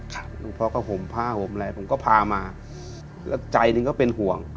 ลูกพ่อก็ห่มผ้าห่มอะไรผมก็พามาแล้วใจหนึ่งก็เป็นห่วง